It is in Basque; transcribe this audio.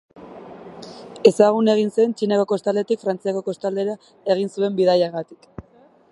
Ezagun egin zen Txinako kostaldetik Frantziako kostaldera egin zuen bidaiagatik.